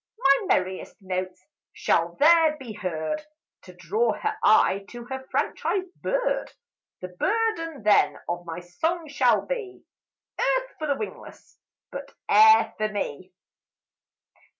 "My merriest notes shall there be heard, To draw her eye to her franchised bird; The burden, then, of my song shall be, 'Earth for the wingless! but air for me!'"